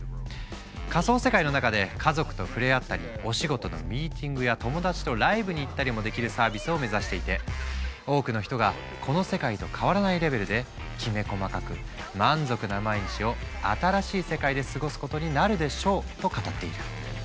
仮想世界の中で家族と触れ合ったりお仕事のミーティングや友達とライブに行ったりもできるサービスを目指していて多くの人がこの世界と変わらないレベルできめ細かく満足な毎日を新しい世界で過ごすことになるでしょうと語っている。